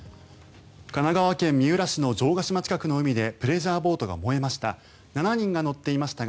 神奈川県三浦市の城ヶ島近くの海でプレジャーボートが燃えました。